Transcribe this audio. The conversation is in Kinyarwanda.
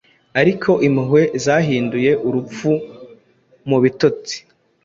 Ariko Impuhwe zahinduye Urupfu Mubitotsi